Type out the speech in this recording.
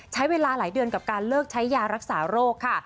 ใช้เวลาหลายเดือนกับการเลิกใช้ยารักษาโรคค่ะ